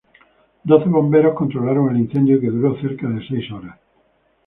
Doce bomberos controlaron el incidente que duró cerca de seis horas.